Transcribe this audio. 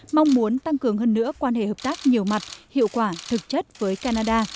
mong muốn tăng cường hơn nữa quan hệ hợp tác nhiều mặt hiệu quả thực chất với canada